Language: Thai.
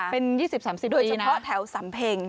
เป็น๒๐๓๐โดยเฉพาะแถวสำเพ็ง